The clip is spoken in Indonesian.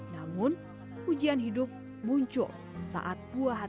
namun hujian hidup muncul saat buahnya